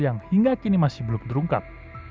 yang hingga kini masih belum terungkap